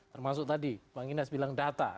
termasuk tadi bang ines bilang data